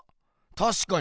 たしかに。